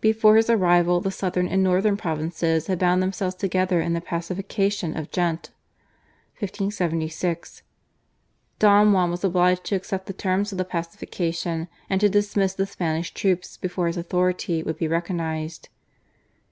Before his arrival the southern and northern provinces had bound themselves together in the Pacification of Ghent (1576). Don Juan was obliged to accept the terms of the Pacification and to dismiss the Spanish troops before his authority would be recognised.